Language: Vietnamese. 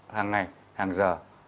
hàng ngày hàng giờ